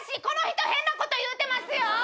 この人変なこと言うてますよ！